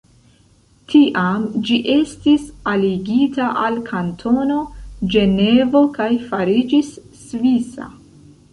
Tiam ĝi estis aligita al Kantono Ĝenevo kaj fariĝis svisa.